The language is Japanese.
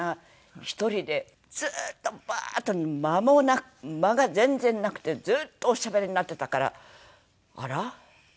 １人でずーっとバーッと間もなく間が全然なくてずっとおしゃべりになってたからあら？